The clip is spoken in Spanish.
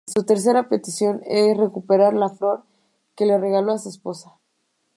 Su tercera petición es recuperar la flor que le regaló a su esposa.